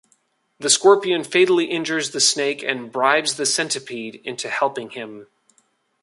The Scorpion fatally injures the Snake and bribes the Centipede into helping him.